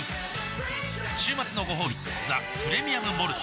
週末のごほうび「ザ・プレミアム・モルツ」